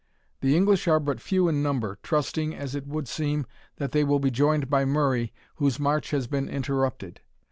The English are but few in number, trusting, as it would seem, that they will be joined by Murray, whose march has been interrupted.